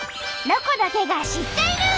「ロコだけが知っている」。